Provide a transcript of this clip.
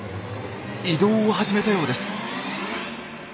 移動を始めたようです。